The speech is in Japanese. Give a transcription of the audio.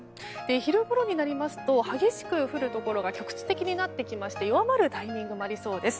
昼ごろになりますと激しく降るところが局地的になってきまして弱まるタイミングもありそうです。